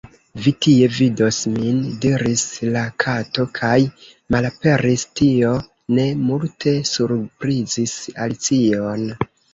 "Vi tie vidos min," diris la Kato kaj—malaperis! Tio ne multe surprizis Alicion.